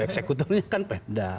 eksekutifnya kan pemda